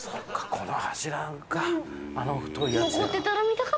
この柱があの太いやつや。